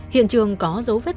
hiện trường có dấu vết của tội phạm